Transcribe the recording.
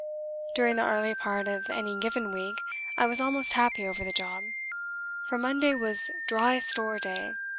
During the early part of any given week I was almost happy over the job. For Monday was "Dry Store" day.